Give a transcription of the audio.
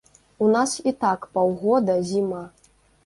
У нас і так паўгода зіма.